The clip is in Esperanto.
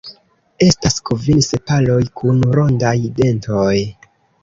Estas kvin sepaloj kun rondaj dentoj.